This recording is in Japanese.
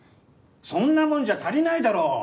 そんなもんじゃ足りないだろう